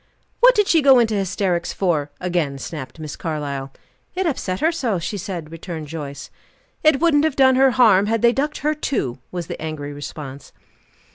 "What did she go into hysterics for?" again snapped Miss Carlyle. "It upset her so, she said," returned Joyce. "It wouldn't have done her harm had they ducked her too," was the angry response.